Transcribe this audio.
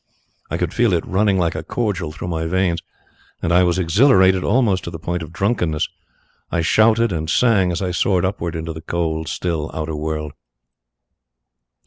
I could feel it running like a cordial through my veins, and I was exhilarated almost to the point of drunkenness. I shouted and sang as I soared upwards into the cold, still outer world.